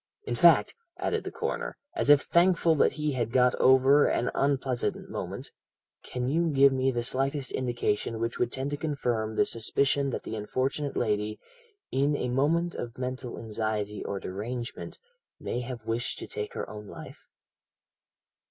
In fact,' added the coroner, as if thankful that he had got over an unpleasant moment, 'can you give me the slightest indication which would tend to confirm the suspicion that the unfortunate lady, in a moment of mental anxiety or derangement, may have wished to take her own life?'